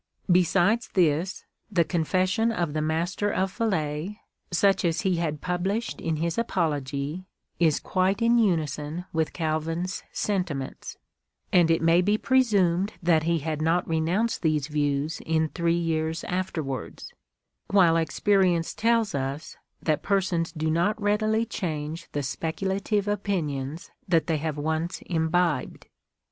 Besides this, the Confession of the Master of Falais, such as he had published in his Aj)ology, is quite in unison with Calvin's sentiments ; and it may be presumed that he had not renounced these views in three years afterwards, while exjierience tells us, that persons do not readily change the speculative opinions that they have once imbibed.